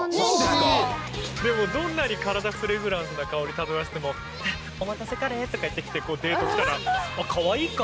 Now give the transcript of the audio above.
でもどんなに体フレグランスな香り漂わせても「お待たせカレー」とか言ってきてデート来たらあっかわいいか。